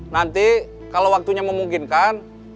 nanti kalau waktunya memungkinkan